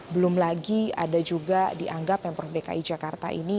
belum lagi ada juga dianggap pemprov dki jakarta ini